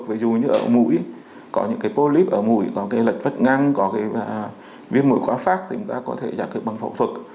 ví dụ như ở mũi có những cái polyp ở mũi có cái lệch vất ngăng có cái viên mũi quá phát thì chúng ta có thể giải quyết bằng phẫu thuật